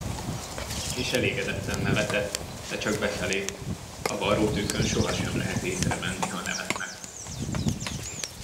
És elégedetten nevetett, de csak befelé; a varrótűkön sohasem lehet észrevenni, ha nevetnek.